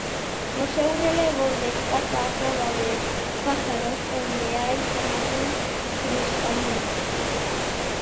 No seu relevo destaca a cova de Fajaros, onde hai formacións cristalinas.